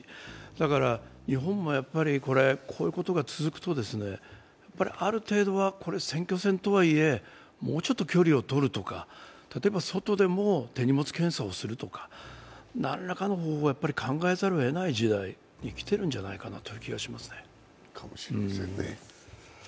だから日本もやはりこういうことが続くとある程度は選挙戦とはいえもうちょっと距離をとるとか例えば外でも手荷物検査をするとか、何らかの方法を考えざるをえない時代に来てるんじゃないかなという気がしますよね。